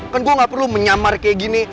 kan gue gak perlu menyamar kayak gini